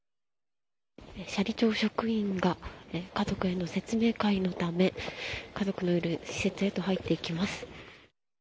斜里町職員が家族への説明会のため家族のいる施設へと入っていきます。